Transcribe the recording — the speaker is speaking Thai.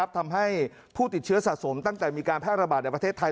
ทำให้ผู้ติดเชื้อสะสมตั้งแต่มีการแพร่ระบาดในประเทศไทย